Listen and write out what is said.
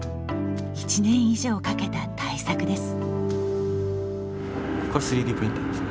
１年以上かけた大作です。